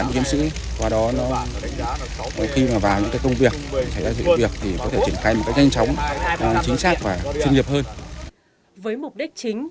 với mục đích chính